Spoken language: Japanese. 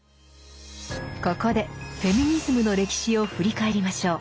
ここでフェミニズムの歴史を振り返りましょう。